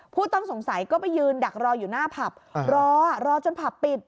ผู้ต้องสงสัยก็ไปยืนดักรออยู่หน้าผับรอรอจนผับปิด